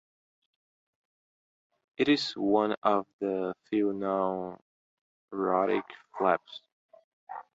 It is one of the few non-rhotic flaps.